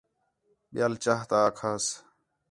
ٻِیال چاہ تا آکھاس